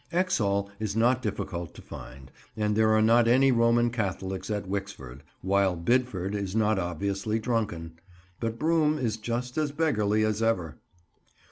Exhall is not difficult to find, and there are not any Roman Catholics at Wixford; while Bidford is not obviously drunken. But Broom is just as beggarly as ever.